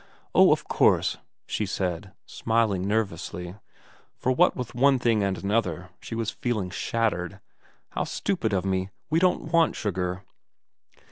' Oh, of course,' she said, smiling nervously, for what with one thing and another she was feeling shattered, ' how stupid of me. We don't want sugar.'